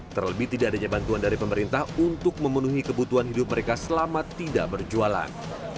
terlebih tidak adanya bantuan dari pemerintah untuk memenuhi kebutuhan hidup mereka selama tidak berjualan